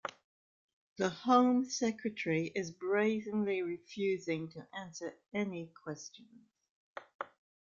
The Home Secretary is brazenly refusing to answer any questions